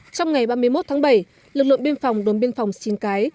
trong ngày ba mươi một tháng bảy lực lượng biên phòng đồn biên phòng xin cái